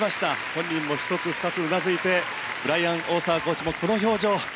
本人も１つ、２つうなずいてブライアン・オーサーコーチもこの表情。